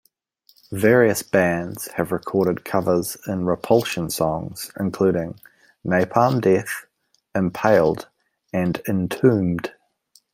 Various bands have recorded covers of Repulsion songs, including Napalm Death, Impaled and Entombed.